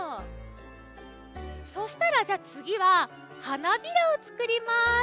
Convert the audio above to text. そしたらじゃあつぎは花びらをつくります。